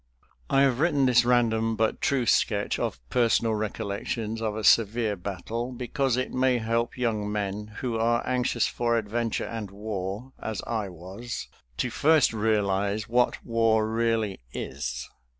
I have written this random but true sketch of personal recollections of a severe battle because it may help young men who are anxious for adventure and war, as I was, to first realize what war really is.